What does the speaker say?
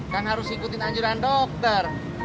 kan harus ikutin anjuran dokter